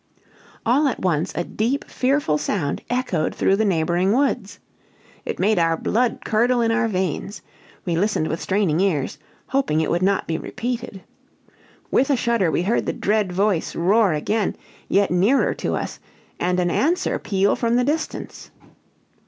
All at once a deep, fearful sound echoed through the neighboring woods. It made our blood curdle in our veins. We listened with straining ears, hoping it would not be repeated. With a shudder we heard the dread voice roar again, yet nearer to us, and an answer peal from the distance.